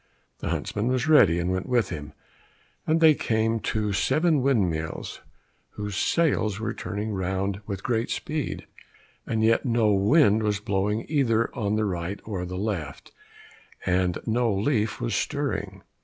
The huntsman was ready, and went with him, and they came to seven windmills whose sails were turning round with great speed, and yet no wind was blowing either on the right or the left, and no leaf was stirring.